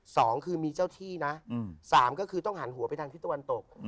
สองคือมีเจ้าที่นะสามก็คือต้องหันหัวไปทางทิศตะวันตก